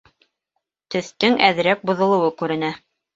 Төҫтөң әҙерәк боҙолоуы күренә